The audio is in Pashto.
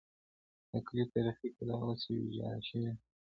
د کلي تاریخي کلا اوس یوه ویجاړه شوې ده.